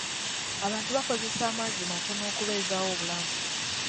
Abantu bakozesa amazzi matono okubeezawo obulamu.